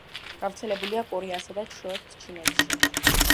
გავრცელებულია კორეასა და ჩრდილოეთ ჩინეთში.